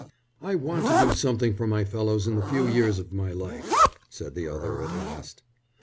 "I want to do something for my fellows in the few years of my life," said the other, at last.